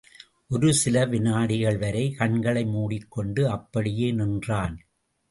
ஒரு சில வினாடிகள் வரை கண்களை மூடிக்கொண்டு அப்படியே நின்றான்!